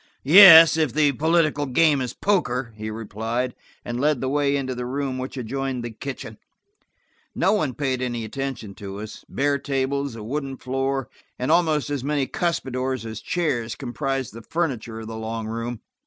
"Yes, if the political game is poker," he replied, and led the way into the room which adjoined the kitchen. No one paid any attention to us. Bare tables, a wooden floor, and almost as many cuspidors as chairs, comprised the furniture of the long room.